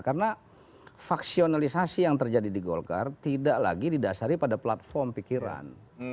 karena faksionalisasi yang terjadi di golkar tidak lagi didasari pada platform pikiran